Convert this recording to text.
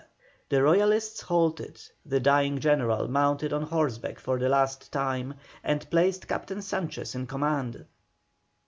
The Royalists halted, the dying general mounted on horseback for the last time, and placed Captain Sanchez in command.